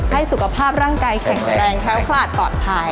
ให้สุขภาพร่างกายแข็งแรงแคล้วคลาดปลอดภัย